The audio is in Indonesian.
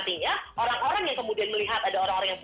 artinya orang orang yang kemudian melihat ada orang orang yang